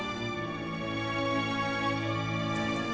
ncuy cuma mau ngejahit